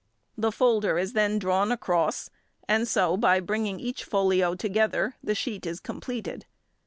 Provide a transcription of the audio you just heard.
The folder is then drawn across, and so by bringing each folio together the sheet is completed.